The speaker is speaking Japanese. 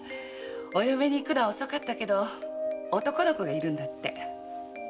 お嫁にいくのは遅かったけど男の子がいるんだって。